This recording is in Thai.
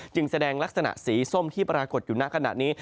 จึงแสดงลักษณะสีส้มที่ปรากฏอยู่หน้ากระดับนี้